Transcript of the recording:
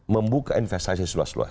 membuka investasi seluas luas